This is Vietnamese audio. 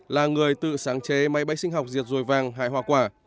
là người tự sáng chế máy bay sinh học diệt dùi vàng hại hòa quả